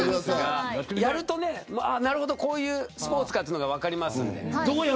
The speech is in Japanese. やるとこういうスポーツかというのが分かりますので。